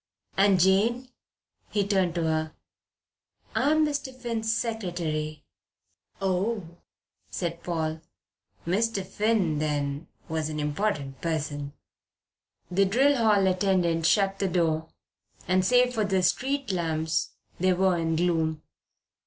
"And Jane?" He turned to her. "I'm Mr. Finn's secretary." "Oh," said Paul. Mr. Finn, then, was an important person. The drill hall attendant shut the door, and save for the street lamps they were in gloom.